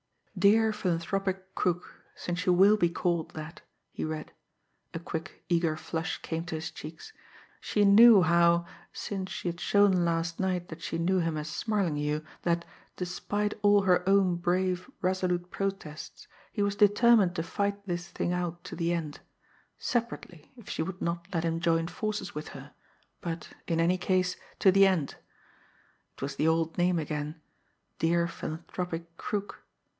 "Dear Philanthropic Crook since you will be called that," he read. A quick, eager flush came to his cheeks. She knew how, since she had shown last night that she knew him as Smarlinghue, that, despite all her own brave, resolute protests, he was determined to fight this thing out to the end separately, if she would not let him join forces with her but, in any case, to the end. It was the old name again Dear Philanthropic Crook!